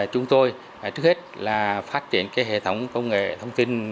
chúng tôi trước hết là phát triển hệ thống công nghệ thông tin